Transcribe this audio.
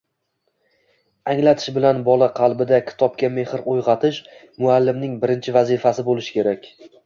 anglatish bilan bola qalbida kitobga mehr uyg‘otish muallimning birinchi vazifasi bo‘lishi kerak.